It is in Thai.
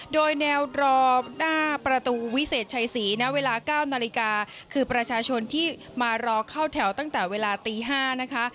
โดยแนวรอหน้าประตูวิเศษชัยศรีณเวลา๙นาฬิกาคือประชาชนที่มารอเข้าแถวตั้งแต่เวลาตี๕นะคะ